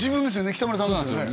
北村さんですよね？